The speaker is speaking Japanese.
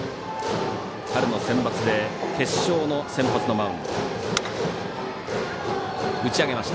春のセンバツで決勝の先発のマウンド。